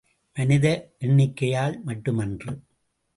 மனித எண்ணிக்கையால் மட்டுமன்று.